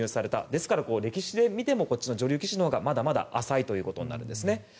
ですから歴史で見ても女流棋士のほうがまだまだ浅いということです。